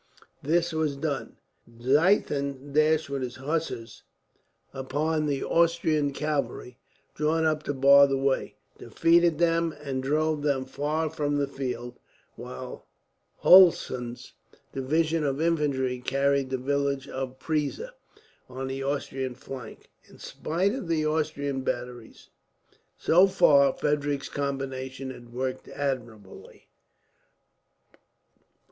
This was done. Ziethen dashed with his hussars upon the Austrian cavalry, drawn up to bar the way; defeated them, and drove them far from the field; while Hulsen's division of infantry carried the village of Preezer, on the Austrian flank, in spite of the Austrian batteries. So far Frederick's combination had worked admirably.